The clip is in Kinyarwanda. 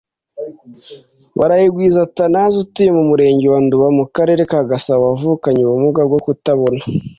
Barayagwiza Athanase utuye mu Murenge wa Nduba mu Karere ka Gasabo wavukanye ubumuga bwo kutabona